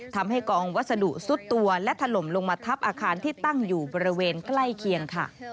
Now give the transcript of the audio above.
ทำให้กองวัสดุซุดตัวและถล่มลงมาทับอาคารที่ตั้งอยู่บริเวณใกล้เคียงค่ะ